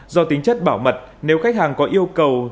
do tính chất bảo mật nếu khách hàng có yêu cầu